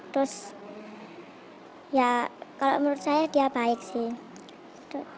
terus ya kalau menurut saya dia baik sih